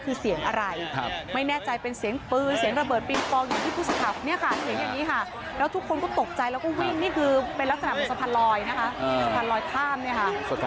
คือเสียงอะไรไม่แน่ใจเป็นเสียงปืนเสียงระเบิดปิงปองอยู่ที่ผู้สื่อข่าวเนี่ยค่ะเสียงอย่างนี้ค่ะแล้วทุกคนก็ตกใจแล้วก็วิ่งนี่คือเป็นลักษณะเป็นสะพานลอยนะคะสะพานลอยข้ามเนี่ยค่ะ